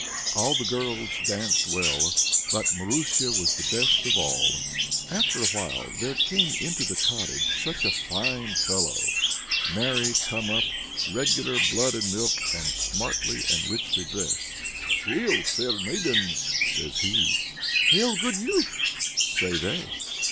All the girls danced well, but Marusia the best of all. After a while there came into the cottage such a fine fellow! Marry, come up! regular blood and milk, and smartly and richly dressed. "Hail, fair maidens!" says he. "Hail, good youth!" say they.